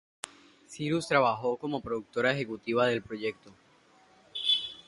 Cyrus trabajo como productora ejecutiva del proyecto.